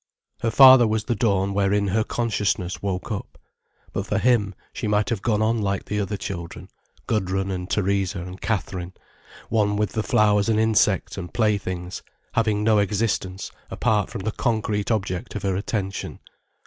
Her father was the dawn wherein her consciousness woke up. But for him, she might have gone on like the other children, Gudrun and Theresa and Catherine, one with the flowers and insects and playthings, having no existence apart from the concrete object of her attention.